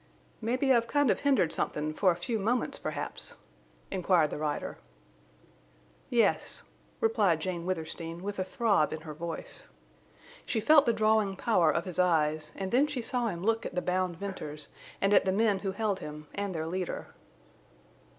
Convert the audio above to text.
"Mebbe I've kind of hindered somethin'—for a few moments, perhaps?" inquired the rider. "Yes," replied Jane Withersteen, with a throb in her voice. She felt the drawing power of his eyes; and then she saw him look at the bound Venters, and at the men who held him, and their leader.